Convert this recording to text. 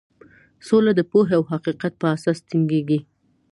سوله د پوهې او حقیقت په اساس ټینګیږي.